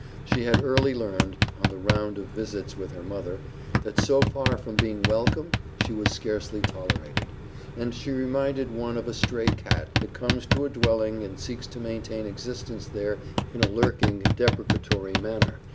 She had early learned, on the round of visits with her mother, that so far from being welcome she was scarcely tolerated, and she reminded one of a stray cat that comes to a dwelling and seeks to maintain existence there in a lurking, deprecatory manner.